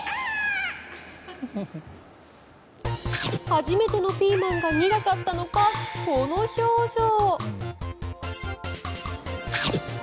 初めてのピーマンが苦かったのかこの表情。